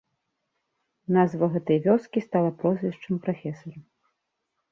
Назва гэтай вёскі стала прозвішчам прафесара.